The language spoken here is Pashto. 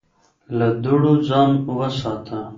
له دوړو ځان وساته